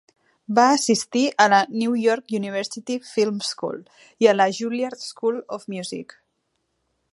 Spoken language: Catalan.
Va assistir a la New York University Film School i a la Juilliard School of Music.